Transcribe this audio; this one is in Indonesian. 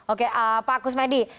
oke pak agus medi